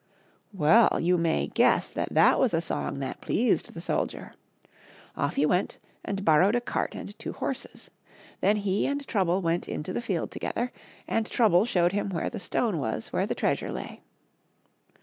Well, you may guess that that was a song that pleased the soldier. Off he went and borrowed a cart and two horses. Then he and Trouble went into the field together, and Trouble showed him where the stone was where the treasure lay.